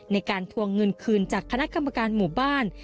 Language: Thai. ในการทวงเงินคืนจากคณะกรรมการหมู่บ้าน